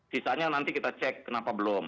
sisanya nanti kita cek kenapa belum